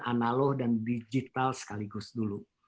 analog dan digital sekaligus dulu